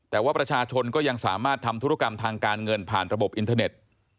แต่ว่าประชาชนก็ยังสามารถทำธุรกรรมทางการเงินผ่านระบบอินเทอร์เน็ต